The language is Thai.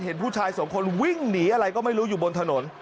เห็นผู้ชายสองคนวิ่งหนีอะไรก็ไม่รู้อยู่บนถนน